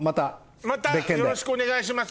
またよろしくお願いします。